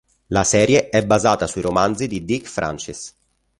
La serie è basata sui romanzi di Dick Francis.